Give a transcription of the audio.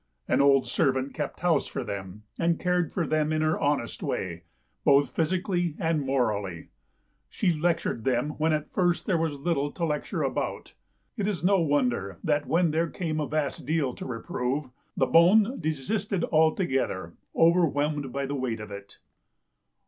An old servant kept house for them and cared for them in her honest way, both physically and morally. She lectured them when at first there was little to lecture about. It is no wonder that when there came a vast deal to reprove, the bonne desisted altogether, over whelmed by the weight of it.